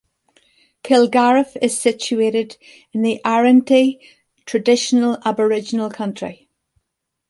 Kilgariff is situated in the Arrernte traditional Aboriginal country.